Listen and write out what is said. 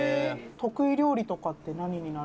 「得意料理とかって何になる？」